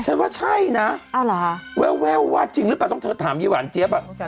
ฉันว่าใช่นะแววว่าจริงหรือเปล่าต้องถามเยี่ยวหวานเจี๊ยบ